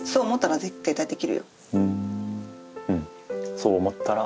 うん「そう思ったら」